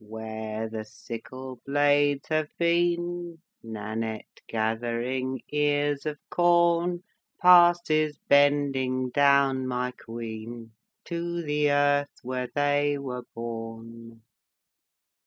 "Where the sickle blades have been, Nannette, gathering ears of corn, Passes bending down, my queen, To the earth where they were born."